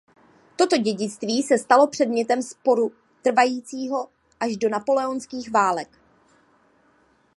Toto dědictví se stalo předmětem sporu trvajícího až do napoleonských válek.